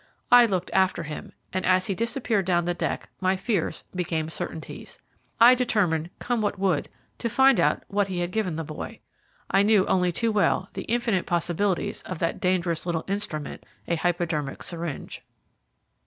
I looked after him, and as he disappeared down the deck my fears became certainties. I determined, come what would, to find out what he had given the boy. I knew only too well the infinite possibilities of that dangerous little instrument, a hypodermic syringe.